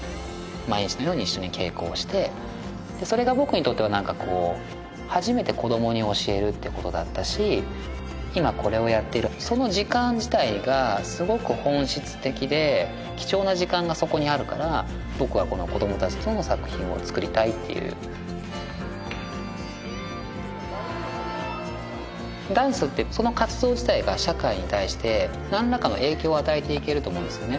毎日のように一緒に稽古をしてそれが僕にとってはなんかこう初めて子どもに教えるっていうことだったし今これをやっているその時間自体がすごく本質的で貴重な時間がそこにあるから僕はこの子ども達との作品をつくりたいっていうダンスってその活動自体が社会に対して何らかの影響を与えていけると思うんですよね